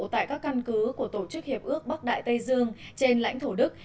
tại các căn cứ của tổ chức hiệp ước bắc đại tây dương trên lãnh thổ đức